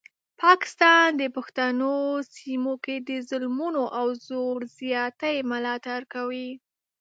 پاکستان د پښتنو سیمه کې د ظلمونو او زور زیاتي ملاتړ کوي.